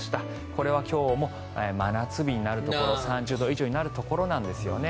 これは今日も真夏日になるところ３０度以上になるところなんですよね。